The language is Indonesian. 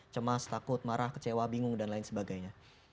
cemas takut marah kecewa bingung dan lain sebagainya